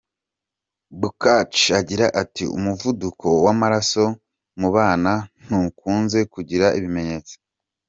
Bukachi agira ati: “Umuvuduko w’amaraso mu bana ntukunze kugira ibimenyetso.